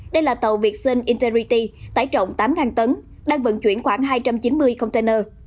đây là tàu việt sân interity tái trọng tám tấn đang vận chuyển khoảng hai trăm chín mươi container